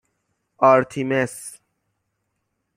آرتیمِس